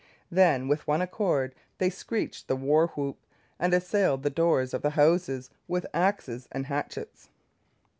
Then with one accord they screeched the war whoop, and assailed the doors of the houses with axes and hatchets.